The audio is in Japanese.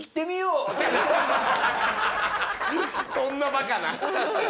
そんなバカな。